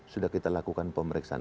sudah kita lakukan pemeriksaan